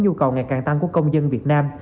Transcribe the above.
nhu cầu ngày càng tăng của công dân việt nam